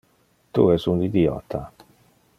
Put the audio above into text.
Tu es un idiota.